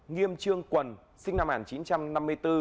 nghiêm trương quần sinh năm một nghìn chín trăm năm mươi bốn